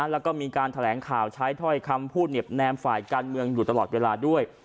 แล้วก็มีการแถลงข่าวใช้ถ้อยคำพูดเหน็บแนมฝ่ายการเมืองอยู่ตลอดเวลาด้วย